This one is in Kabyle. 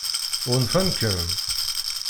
Ɣunfan-kem?